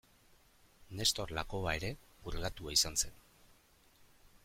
Nestor Lakoba ere purgatua izan zen.